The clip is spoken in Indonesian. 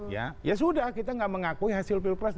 ya sudah kita tidak mengakui hasil pilpres dua ribu dua puluh satu